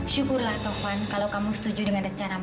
syukurlah tovan kalau kamu setuju dengan rencana mama